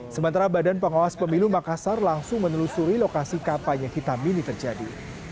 sementara badan pengawas pemilu makassar langsung menelusuri lokasi kampanye hitam ini terjadi